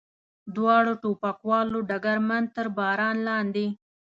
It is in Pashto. دواړو ټوپکوالو ډګرمن تر باران لاندې.